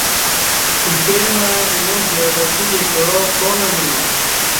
ایکے مع ایمو زیادتی دی کعا کاݨہ وینا۔